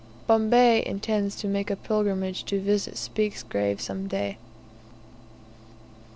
* Bombay intends to make a pilgrimage to visit Speke's grave some day.